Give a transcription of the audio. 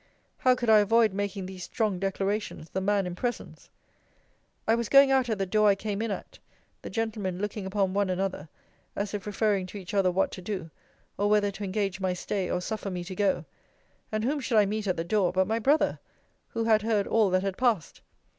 How could I avoid making these strong declarations, the man in presence? I was going out at the door I came in at; the gentlemen looking upon one another, as if referring to each other what to do, or whether to engage my stay, or suffer me to go; and whom should I meet at the door but my brother, who had heard all that had passed!